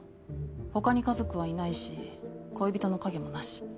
他に家族はいないし恋人の影もなし。